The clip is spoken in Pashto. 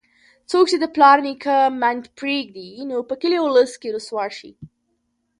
څوک چې د پلار نیکه منډ پرېږدي، نو په کلي اولس کې رسوا شي.